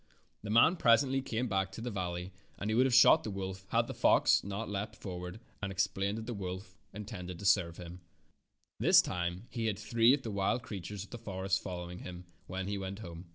The man presently came back to the val ley, and he would have shot the wolf had not the foxdeaped forward and explained that the woM intended to serve him. This time he had three of the wild creatures of the forest following him when he went home.